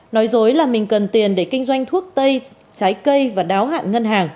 nói dối là mình cần tiền để kinh doanh thuốc tây trái cây và đáo hạn ngân hàng